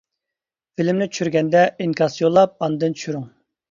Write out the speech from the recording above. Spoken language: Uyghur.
فىلىمنى چۈشۈرگەندە ئىنكاس يوللاپ ئاندىن چۈشۈرۈڭ!